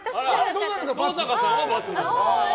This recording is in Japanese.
登坂さんは×。